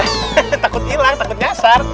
hahaha takut hilang takut nyasar